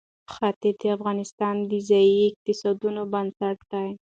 ښتې د افغانستان د ځایي اقتصادونو بنسټ دی.